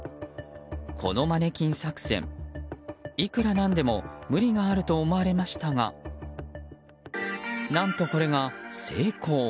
このマネキン作戦いくらなんでも無理があると思われましたが何とこれが、成功。